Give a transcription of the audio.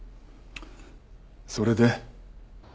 それで？